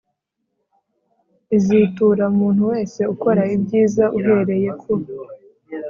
izitura umuntu wese ukora ibyiza uhereye ku